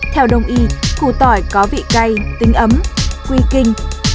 theo đồng y củ tỏi có vị cay tính ấm quy kinh